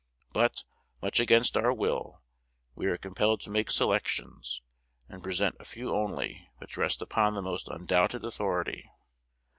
But, much against our will, we are compelled to make selections, and present a few only, which rest upon the most undoubted authority.